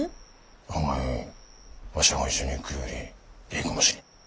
存外わしらが一緒に行くよりええかもしれん。